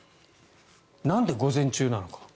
なんで午前中なのか。